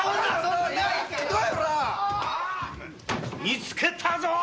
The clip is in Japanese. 見つけたぞ！